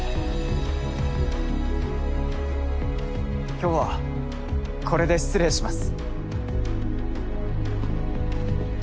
今日はこれで失礼します。